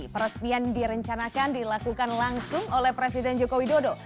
peresmian direncanakan dilakukan langsung oleh presiden joko widodo